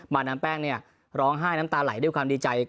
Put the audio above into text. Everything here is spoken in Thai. มาด้านแป้งล้องไห้น้ำตาไหลด้วยความดีใจ